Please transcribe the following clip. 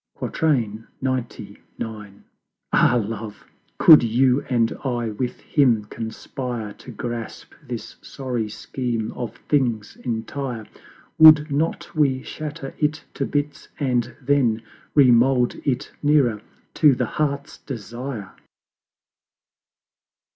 XCIX. Ah Love! could you and I with Him conspire To grasp this sorry Scheme of Things entire, Would not we shatter it to bits and then Re mold it nearer to the Heart's Desire!